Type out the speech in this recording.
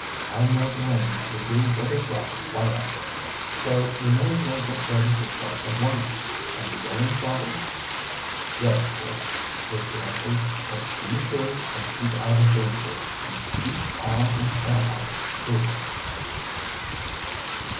"I know the Lanings will do what is right by us, so we may as well get ready to start at once. Are you willing, father?" "Yes, Dick," was the answer. "But be sure and keep out of danger, and keep Tom and Sam out, too."